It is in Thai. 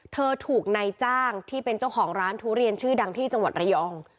เธอถูกนายจ้างที่เป็นเจ้าของร้านทุเรียนชื่อดังที่จังหวัดระยอง